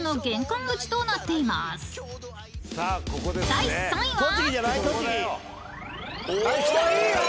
［第３位は？］